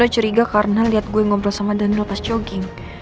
apa ada sesuatu yang gak bisa aku jelasin